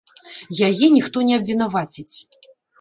Яе ніхто не абвінаваціць.